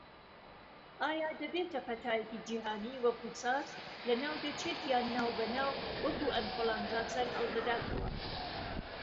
ئایا دەبێتە پەتایەکی جیهانی، وەکو سارس لەناودەچێت یان ناوبەناو وەکو ئەنفلەوەنزا سەرهەڵدەداتەوە؟